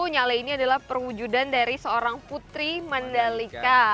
nyale ini adalah perwujudan dari seorang putri mandalika